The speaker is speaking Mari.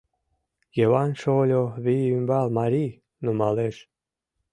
— Йыван шольо вий ӱмбал марий, нумалеш.